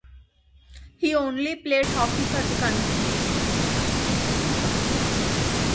He also played hockey for the county.